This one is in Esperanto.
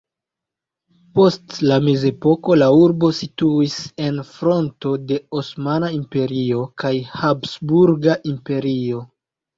Post la mezepoko la urbo situis en fronto de Osmana Imperio kaj Habsburga Imperio.